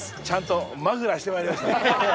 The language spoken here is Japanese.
ちゃんとマフラーしてまいりました。